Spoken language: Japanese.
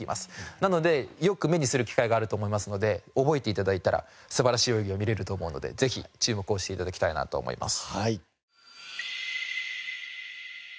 なのでよく目にする機会があると思いますので覚えて頂いたら素晴らしい泳ぎを見られると思うのでぜひ注目をして頂きたいなと思います。